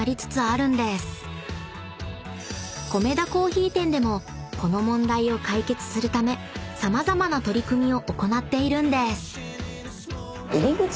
［コメダ珈琲店でもこの問題を解決するため様々な取り組みを行っているんです］